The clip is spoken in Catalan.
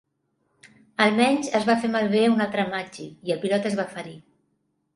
Al menys es va fer malbé un altre Macchi i el pilot es va ferir.